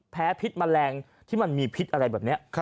พิษแมลงที่มันมีพิษอะไรแบบนี้